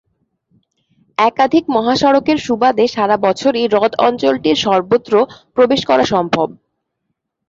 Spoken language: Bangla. একাধিক মহাসড়কের সুবাদে সারা বছরই হ্রদ অঞ্চলটির সর্বত্র প্রবেশ করা সম্ভব।